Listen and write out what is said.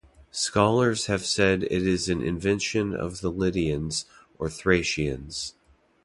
Scholars have said it is an invention of the Lydians or Thracians.